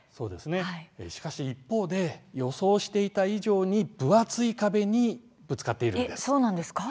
しかし一方で予想していた以上に分厚い壁にぶつかっているんです。